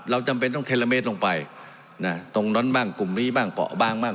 จำเป็นต้องเทลเมตรลงไปนะตรงนั้นบ้างกลุ่มนี้บ้างเปาะบ้าง